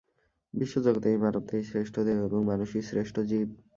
বিশ্বজগতে এই মানবদেহই শ্রেষ্ঠ দেহ এবং মানুষই শ্রেষ্ঠ জীব।